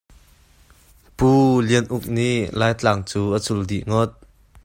Pu Lian Uk nih Laitlang cu a cul dih ngawt.